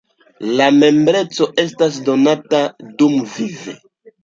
La membreco estas donata dumvive.